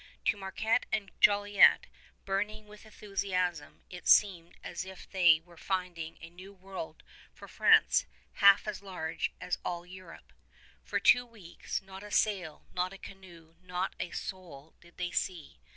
To Marquette and Jolliet, burning with enthusiasm, it seemed as if they were finding a new world for France half as large as all Europe. For two weeks not a sail, not a canoe, not a soul did they see.